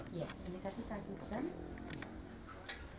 ya ini tadi satu jam